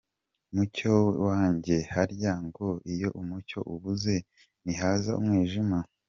Mucyo wanjye, harya ngo iyo umucyo ubuze, ntihaza umwijima?